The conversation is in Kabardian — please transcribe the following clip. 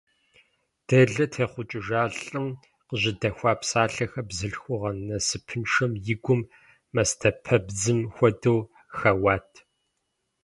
Делэ техъукӏыжа лӏым къыжьэдэхуа псалъэхэр бзылъхугъэ насыпыншэм и гум, мастэпэбдзым хуэдэу, хэуат.